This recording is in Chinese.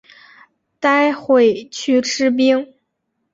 待会去吃冰